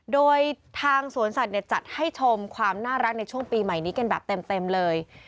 โดยทางสวนสัตว์จัดให้ชมความน่ารักในช่วงปีใหม่นี้กันแบบเต็มเลย